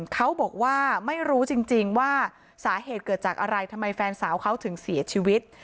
เขาบอกว่าไม่รู้จริงว่าสาเหตุเกิดจากอะไรทำไมแฟนสาวเขาถึงเสียชีวิต